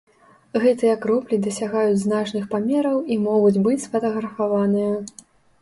Гэтыя кроплі дасягаюць значных памераў і могуць быць сфатаграфаваныя.